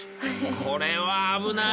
これは危ない。